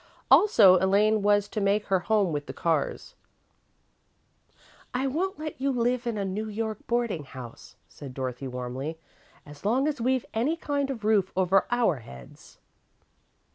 Also, Elaine was to make her home with the Carrs. "I won't let you live in a New York boarding house," said Dorothy warmly, "as long as we've any kind of a roof over our heads."